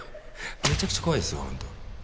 めちゃくちゃ怖いですよ本当。